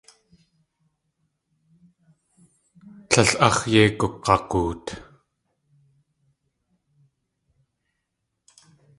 Tlél áx̲ yei gug̲agoot.